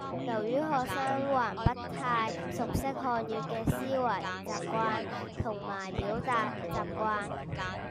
由於學生還不太熟悉漢語嘅思維習慣同埋表達習慣